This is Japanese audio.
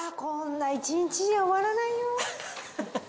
こんな一日じゃ終わらないよ。